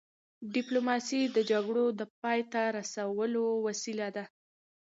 ډيپلوماسي د جګړو د پای ته رسولو وسیله ده.